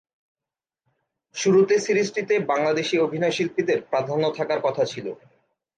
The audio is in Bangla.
শুরুতে সিরিজটিতে বাংলাদেশি অভিনয়শিল্পীদের প্রাধান্য থাকার কথা ছিল।